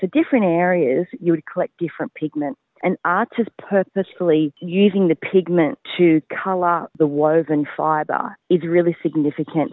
dan mereka menggunakan penelan yang berbeda beda